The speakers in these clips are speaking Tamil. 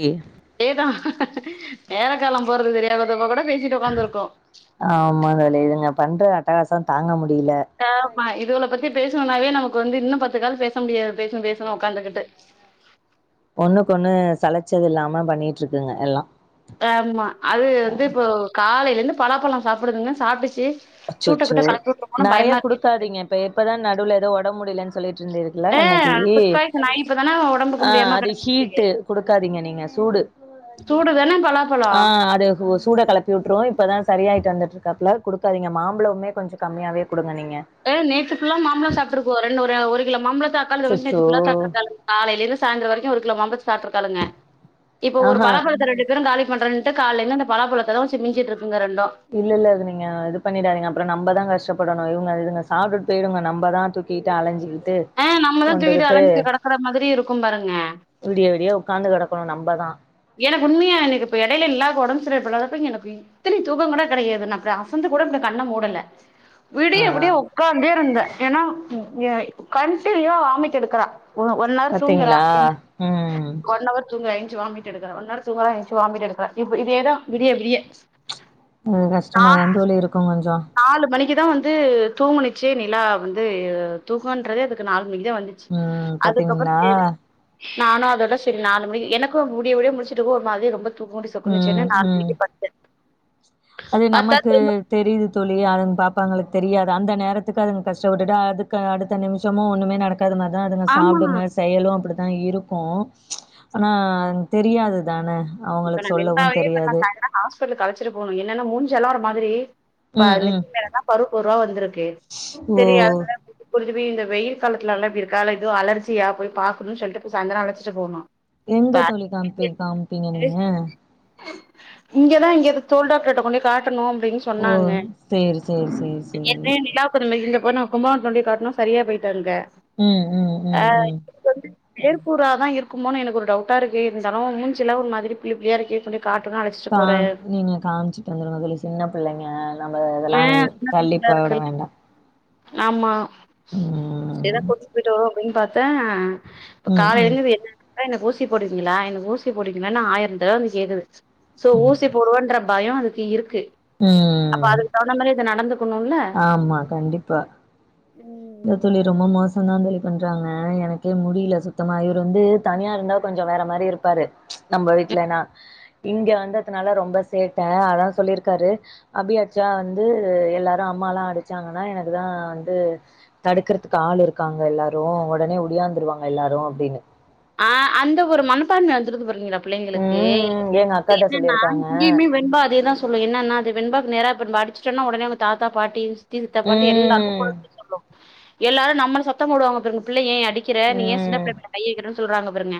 ஓகே அதேதா நேரோ கால போறது தெரியாதப்ப கூட பேசிட்டு உக்காந்துருக்கோ ஆம்மாங்க தோழி இதுங்க பண்ற அட்டகாசோ தாங்க முடி [unintelligible] இதுகல பத் தி பேசுணுன்னாவே நமக்கு வந்து இன்னு பத்து கால் பேச முடியாது பேசுணு பேசுணு உக்காந்துகிட்டு ஒண்ணுக்கு ஒண்ணு சளைச்சது இல்லாம பண்ணிட்டு இருக்குங்கு எல்லா ஆம்மா அது வந்து இப்போ காலையிலந்து பலாப்பழ சாப்புடுதுங்க சாப்பிட்டுச்சு அச்சோச்சோ நெறய குடுக்காாதீங்க இப்ப இப்பதா நடுவுல எதோ ஒடம்பு முடி யிலன் சொல்லிட் டிருந்தீர்கல்ல ஆ அன்னைக்கி ஃபுட் பாய்சன் ஆயி இப்பதான ஒடம்புக்கு அ முடியாம அது கெடந்துச்சு ஹீட்டு குடுக்காதீங்க நீங்க சூடு சூடுதான பலாப்பழ ஆ அத [unintelligible] சூட களப்பி விட்டுரு இப்பதா சரியாயிட்டு வந்துட்டு இருக்காப்புல குடுக் காதிங்க மாம்பழமே கொஞ்ச கம்மியாவே குடுங்க நீங் அ நேத்து ஃபுல்லா மாம்பழ சாப்பிட்ருக்கோ ரெண்டு ஒரு ஒரு கிலோ மாம்பழத்த அக்காலு தங்கச்சியு நேத்து அச்சச்சோ ஃபுல்லாசாப்ட்ருகாளுங்க காலைலிருந்து சாயந்தர வரைக் ஒரு கிலோ மாம்பழத்த சாப்ட்டுருக்காளுங்க இப்போ ஒரு ஆஹா பலாப்பழத்த ரெண்டு பேருங்காலிப் பண்றன்ட்டு காலைலருந்து அந்த பலாபழத்த எல்லா வெச்சு மிஞ்சிட்ருக்கு இல்ல இல்ல அது நீங்க இது பண்ணிடாதீங்க அப்ற நம்மதா கஷ்டப்ப டணு இவங்க இதுங்க சாப்ட்டுட்டு போயிடுங்க நம்பதா தூக்கிட்டு அலைஞ்சி கிட்டு ஆ நம்மதா தூக்கிட்டு கொண்டுகிட்டு அலைஞ்சு கெடக்குற மாதிரி இருக்கும் பாருங்க விடிய விடிய உக்காந்து கெடக்கணு நம் பதா மாத்திரைய போடாதப்ப எனக்கு இத்தினி தூக்க கூட கிடையாது நா இப்டி அசந்து கூட இப்டி கண்ண மூடல ஆ விடிய விடிய உக்காந்தே இருந்தே ஏனா எ கண்டினியூவா வாமிட் எடுக்குறா ஒ ஒன் ஹவர் தூங்கறா பாத்தீங்களா? ம் ஒன் அவர் தூங்க எனிச்சு வாமிட் எடுக்கற ஒன்னார் தூங்கறா என்ச்சு வாமிட் எடுக்கறா இப்ப இதே தா விடிய விடிய அது கஷ்டமா தா தோழி இருக்கு கொஞ்சோ இதா வந்து தூங்குணிச்சு நிலா வந்து தூக்கன்றதே அதுக்கு நால இதா வந்துச்சு ம் அதுக்கப்றோ பாத்தீங்களா? நானு அதோட செரி நாலு மணிக்கு எனக்கு விடிய விடிய முழிச்சிட்டுக்கு ஒரு மாதிரி ரொம்ப தூக்க மட்டு ம், சொக்குனுச்சுன்னு நாலு ம். மணிக்கு படுத்தே அது பாத்தா நமக்கு தெரியுது தோழி அதுங்க பாப்பாங்களுக் தெரியாது அந்த நேரத்துக்கு அது கஷ்டப்பட்டுட்டு அதுக்கு அடுத்த நிமிஷமு ஒண்ணுமே நடக்க காத மார்தா அதுங்க ஆமா சாப்டுங்க செயலு அப் தா இருக்கு ஆனா தெரியாது தான இப்ப அவங்களுக்கு நா சொல்லவும் வென்பாவயே இப்ப தெரியாது. சாய்ந்தர ஹாஸ்பிடலுக் அழச்சிட்டு போணு என்னன்னா மூஞ் செல்லா ஒரு மாதிரி இப்ப ம், ம். லிப் மேலதா பருப்பருவா வந்திருக்கு ஓ! செரி அதனால இந்த வெயில் இந்த வெயில் காலத்துலலா இப்டி இருக்கா இல்ல இது அலர்ஜியா போய் பாக்குனு சொல்லிட்டு இப்ப சாய்ந்தரோ அழச்சிட்டு போணு எங்க தோழி காமிப்பீ காமிப்பீங்க நீங் க இங்கதா இங்க தோல் டாக்டர்ட்ட கொண்டு போய் காட் னு அப்டின்னு ஓ! சொன்னாங்க சேரி, சேரி, சேரி, ஏற்கனவே சேரி. [unintelligible] அப்ற நா கும்பகோனத்துல இருந்தே காட்னோ சரியா போய்ட்டாருங்க ம், ம், அ ம், ம். ஏற்கூற தா இருக்குமோனு எனக்கு ஒரு டவுட்டா இருக்கு இருந்தாலு மூஞ்சில ஒரு மாதிரிப் புள்ளிப் புள்ளியாருக்கு கா நீங்க காமுச்சுட்டு வந்துருங்க அதுல சின்ன புள்ளைங்க ந இதெல்லா தள்ளி போட வேண்டா ஆமா எதோ கூட்டின் போய்ட்டோ அப்படின் பாத்தா இப்ப ம், ம், காலேயில்ருந்து என்ன க எனக்கு ஊசி போடுவீங்களா எனக்கு ஊசி போடுவீங்களான்னு ஆயிர தடவ வந்து கேக்குது சோ ம். ஊசி போடுவன்ற பயோ அதுக்கு இருக்கு அப்ப ம். அது இது நடந்து ஆமா கண்டிப்பா இந்த துளி ரொம்ப மோசோ சுந்தாந்தலி பண்றாங்க எனக்கே முடியில சுத்தமா இவரு வந்து தனியா இருந்தா கொஞ்சோ வேற மாரி இருப்பாரு ச்சு நம்ம வீட்டுலன்னா இங்க வந்ததனால ரொம்ப சேட்ட அதா சொல்லிருக்காரு அபி அச்சா வந்து எல்லார் அம்மாலா அடிச்சாங்கன்னா எனக்குதா வந்து தடுக்ரதுக்கு ஆள் இருக்காங்க எல்லாரும ஒடனே ஒடியாந்துருவாங்க எல்லாரு அப்டின்னு ஆ அந்த ஒரு மனப்பான்ம வந்துருது பாரிங்களா பிள்ளங்களுக்கு ம். எங்க இப்ப அக்காட்ட என்னன்னா சொல்லியிருக்காங்க. இங்கயுமே வென்பா அதேதா சொல்லு என்னான்னா அது வெண்பாக்கு நேரா இப்ப நம்ப அடுச்டோனா உடனே அவுங்க தாத்தா பாட்டி சித்தி சித்தப்பான்டு எல்லாருக்கும் ம். ஃபோன் அடுச்சு சொல்லு எல்லாரு நம்மள சத்தோ போடுவாங்க பார்ங்க பிள்ளை ஏ அடிக்கிற நீ ஏ சின்ன ம். புள்ள மேல கைய வக்ரனு சொல்றாங்க பாருங்க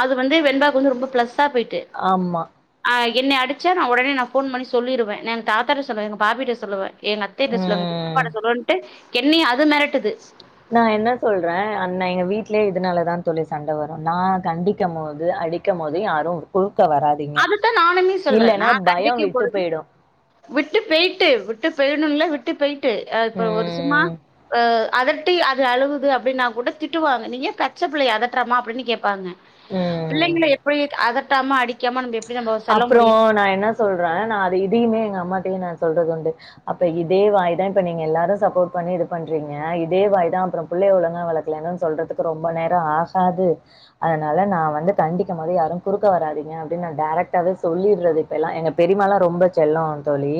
அது வந்து வெண்பாக்கு வந்து ரொம்ப பிளஸ் சா போயிட்டு ஆமா. ஆ என்னைய அடுச்சா நா உடனே நா ஃபோன் பண்ணி சொல்லிருவே நா எங்க தாத்தாட்ட சொல்லுவே பார்பிட்ட சொல்லுவே எங்க அத்தேட்ட சொல்வே எங் பெரிப் ம். பாட்ட சொல்லுவேன்ட்டு என்னய அது மெரட்டுது நா என்ன சொல்றே அன்ன எங்க வீட்லயே இதுனாலதா தோழி சண்ட வரு நா கண்டிக்க மோது அடிக்க மோது யாரும் குரு அததா நானுமே சொல்றே நா கண்டிக்க பயம் விட்டு போது போயிடும். விட்டு பேய்ட்டு விட்டு பேய்யணும்ல விட் ட்டு பேய் டு இப்ப ஒரு சும்மா ம். ஆஹ் அதட்டி அது அழுகுது அப்டின்னா கூட திட்டுவாங்க நீங்க ஏ பச்ச புள்ளய அதற்றம்மா அப்டின்னு கேப்பாங்க ம். பிள்ளைங்கள எப்டி அதட் அதட்டாம அடி க்காம நம்ப எப் அப்புறம் நான் என்ன சொல்றேன் நான் அது இதையுமே எங்க அம்மாட்டயும் நா சொல்றது உண்டு அப்ப இதே வாய் தான் இப்ப நீங்க எல்லாரும் சப்போர்ட் பண்ணி இது பண்றீங்க இதே வாய் தான் அப்புறம் புள்ளைய ஒழுங்க வளக்கல சொல்றதுக்கு ரொம்ப நேரம் ஆகாது அதனால நான் வந்து கண்டிக்கும் போது யாரும் குறுக்க வராதீங்க அப்டினு டேரக்ட் டாவே சொல்லிற்றது இப்பேல்லாம் எங்க பெரிமால்லா ரொம்ப செல்லோ தோழி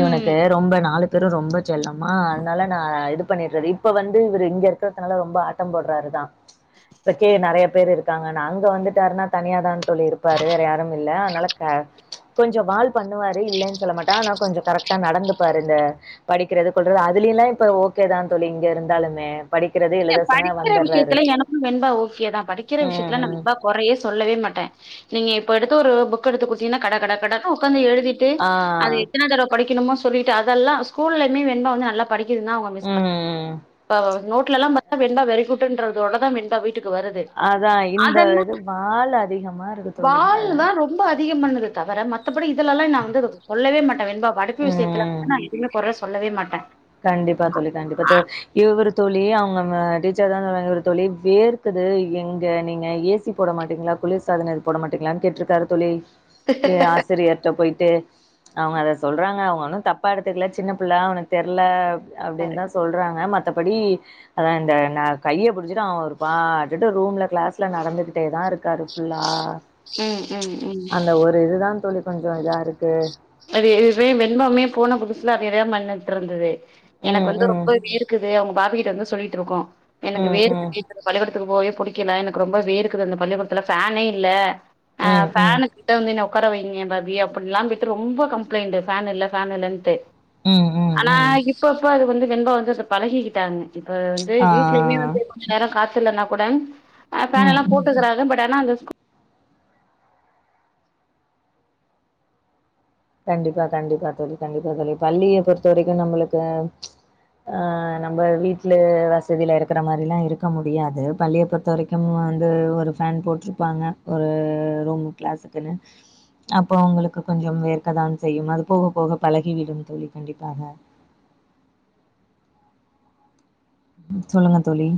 ம் இவனுக்கு ரொம்ப நாலு பேரும் ரொம்ப செல்லமா அதுனால நா இது பண்ணிடுறது இப்ப வந்து இவரு இங்க இருக்கறதுனால ரொம்ப ஆட்டம் போடுறாருதான் இப்பக்கே நெறைய பேரு இருக் ங்க அங்க வந்துட்டாருன்னா தனியா தான தோழி இருப்பாரு வேற யாரும் இல்ல அதுனால க ச் கொஞ் சோ வால் பண்ணுவாரு இல்லேன்னு சொல்ல மாட்டே ஆனா கொஞ்சோ கரெக்டா நடந்துப்பாரு இந்த படிக்கிறது கொல்றது அதுலேல்லாம் இப்ப ஓகே தான் தோழி இங்க இருந்தாலுமே படிக்கிறது, நீங்க எழுத சொன்னா படிக்கிற வந்துர்றாரு. விஷயத்துல எனக்கும் வெண்பா ஓகேதான் படிக்கிற ம், விஷயத்துல நான் ம். வென்ம்பா குறையே சொல்லவே மாட்டேன் நீங்க இப்ப எடுத்து ஒரு புக் எடுத்து குடுத்தீங்கன்னா கட கட கடனு உக்காந்து எழு தீட்டு ஆ. அத எத்தன தடவ படிக்க கனுமோ சொல்லிட்டு அதெல்லாம் ஸ்கூல்லயும் வெண்பா வந்து நல்லா படிக்கதுன்தா அவுங்க மிஸ் அ ம், ம். இப்ப நோட் வீட்லலாம் பாத் வெண்பா வெறிகுட்டுன்றது ஓட தா வெண்பா வீட்டுக்கு க்கு வருது அதான் இந்த அதெல்லா இது வால் அதிகமா இருக்கு தோழி. வாழ் அதான். தா ரொம்ப அதிகம் பண்ணது தவிர மத்த மத்தபடி இதலெல்லா நா வந்து சொல்லவே மாட்டே வெண்பா படிப்பு விஷியத்தில்ல ம். வந்து எதுமே கொற சொல்லவே மாட்ட கண்டிப்பா தோளி கண்டிப்பா தோளி இவரு தோளி அவங்க டீச்சர் தா சொன்னாங்க ஒரு தோளி வேர்க்குது எங்க நீங்க ஏசி போட மாட்டீங்களா குளிர் சாதனோ இது போட மாட்டீங்களா கேட்டிருக்காரு தோளி ட்டு ஆசிரியர்ட்டு போயிட்டு அவங்க அத சொல்றாங்க அவங்க ஒன்னு தப்பா எடுத்துக்கல சின்ன பிள்ள அவனுக்கு தெரல அப்படின்னு தா சொல்றாங்க ம மத்தபடி அதா இந்த நா கைய புடிச்சுட்டு அவ பாட்டுட்டு ரூம்ல கிளாஸ்ல நடந்து டே தா இருக்காரு புல்லா ம் ம் ம் அந்த ஒரு இதுதா தோளி கொஞ்சு இதா இருக்கு அது இதுவே வெண்பமே போன புதுசுல அதேயாத பன்னிட்டு இருந்தது எனக்கு ம், வந்து ம். ரொம்ப வேர்க்குது அவங்க பாபிகிட்ட வந்து சொல்லிட்டு இருக்கு எனக்கு ம், ம். வேர்குது பள்ளிகூடத்துல க்கு போகவே புடிக்கல எனக்கு ரொம்ப வேர்க்குது அந்த பள்ளிக்கூடத்துல ஃபனே இல்ல ஆ ம், ம். ஃபேன்னு கிட்ட வந்து என்ன க்கற வையிங்க பாபி அப்படில்லா ரொம்ப கம்ப்ளைண்ட்டு ஃபேன் இல்ல ஃபேன் இல்லன்ட்டு ம், ம், ஆனா ம். இப்பப்ப அது வந்து வென்பா வந்து பழகிக்கிட்டாங்க இப்ப வந்து வீடலயுமே ஆ. வந்து கொஞ்சு நேரோ காத் த்தில்லன்னா கூட ம் பேன் எல்லா ம் போட்டுக்கிறாங்க பட் னா அந்த ஸ்கூ கண்டிப்பா கண்டிப்பா தோளி கண்டிப்பா தோளி பள்ளியை பொறுத்த வரைக்கு நம்மளுக்கு ஆ நம்ம வீட்டுல வசதியில இருக்கிற மாரி எல்லா இருக்க முடியாது பள்ளியை பொறுத்த வரைக்கும் வந்து ஒரு ஃபேன் போட்டிருப்பாங்க ஒரு ரூமு கிளாஸுக்குன்னு அப்போ அவங்களுக்கு கொஞ்சும் வேர் க்க தான் செய்யும் அது போக போக பழகி விடும் தோளி கண்டிப்பாக சொல்லுங்க தோளி